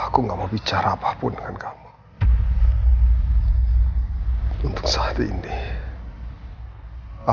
kok gak diangkat sih